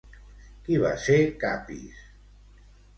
Qui va ser Capis?